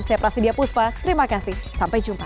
saya prasidya puspa terima kasih sampai jumpa